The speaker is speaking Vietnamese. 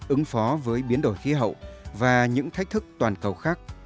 ứng phó với biến đổi khí hậu và những thách thức toàn cầu khác